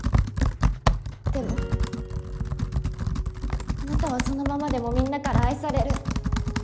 でもあなたはそのままでもみんなから愛される。